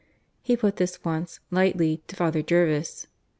He put this once, lightly, to Father Jervis.